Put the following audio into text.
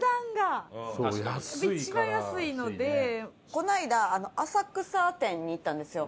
この間浅草店に行ったんですよ。